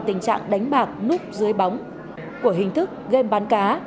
tình trạng đánh bạc núp dưới bóng của hình thức game bán cá